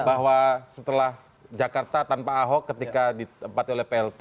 bahwa setelah jakarta tanpa ahok ketika ditempati oleh plt